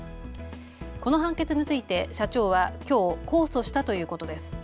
この判決について社長はきょう控訴したということです。